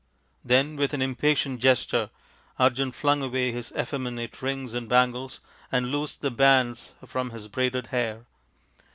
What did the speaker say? Then with an impatient gesture Arjun flung away his effeminate rings and bangles and loosed the bands from his braided hair.